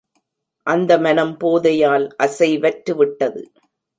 அந்த மனம் போதையால் அசைவற்று விட்டது!